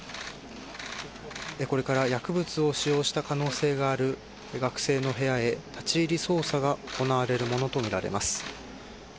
これから薬物を使用した可能性がある学生の部屋へ立ち入り捜査が行われるものとみられます。